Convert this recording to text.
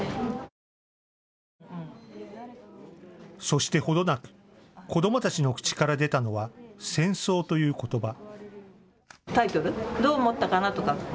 そして程なく子どもたちの口から出たのは戦争ということば。